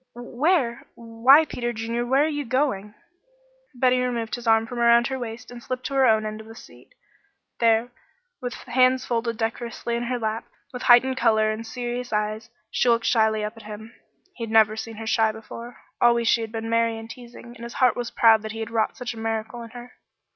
"Where? why Peter Junior! Where are you going?" Betty removed his arm from around her waist and slipped to her own end of the seat. There, with hands folded decorously in her lap, with heightened color and serious eyes, she looked shyly up at him. He had never seen her shy before. Always she had been merry and teasing, and his heart was proud that he had wrought such a miracle in her.